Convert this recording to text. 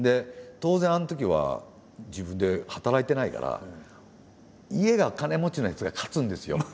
当然あのときは自分で働いてないから家が金持ちのやつが勝つんですよ。